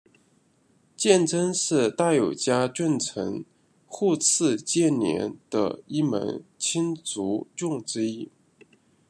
鉴贞是大友家重臣户次鉴连的一门亲族众之一。